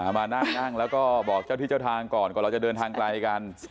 มานั่งแล้วก็บอกเจ้าที่เจ้าทางก่อนก่อนเราจะเดินทางไกลกัน